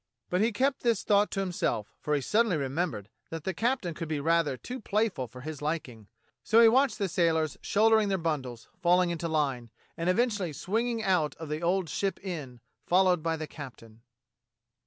But he kept this thought to himself, for he suddenly remembered that the captain could be rather too play ful for his liking; so he watched the sailors shouldering their bundles, falling into line, and eventually swinging out of the old Ship Inn, followed by the captain.